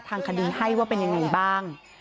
ทางคดีให้ว่าเป็นยังไงบ้าง